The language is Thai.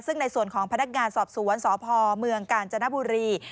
ซึ่งในส่วนของพนักงานสอบสวนสพเมืองกาญจนบุรี